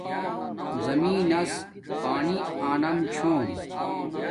زمین نس پانی آنم چھوم